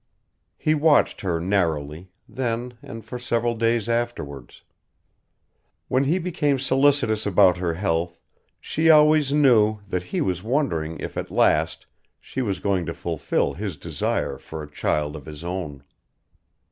He watched her narrowly, then and for several days afterwards. When he became solicitous about her health she always knew that he was wondering if at last she was going to fulfil his desire for a child of his own.